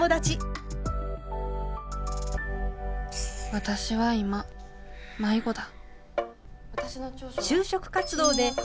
私は今迷子だ。